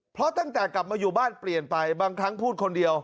เพราะตั้งแต่กลับมาอยู่บ้านเปลี่ยนไปบางครั้งพูดคนเดียว